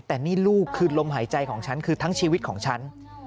แต่นี่ลูกคือลมหายใจของฉันคือทั้งชีวิตของฉัน